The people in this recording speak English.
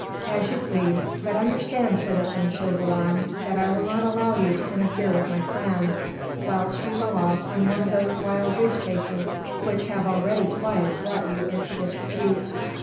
"As you please. But understand, citizen Chauvelin, that I will not allow you to interfere with my plans, whilst you go off on one of those wild goose chases which have already twice brought you into disrepute."